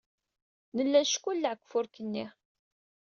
Nella neckelleɛ deg ufurk-nni.